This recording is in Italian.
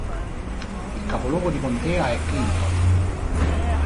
Il capoluogo di contea è Clinton